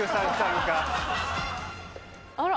あら。